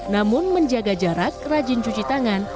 namun menjaga jarak rajin cuci tangan